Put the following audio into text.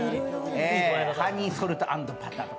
ハニーソルトアンドバターとか。